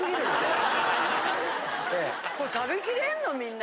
これ食べきれんのみんな？